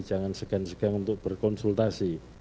jangan segan segan untuk berkonsultasi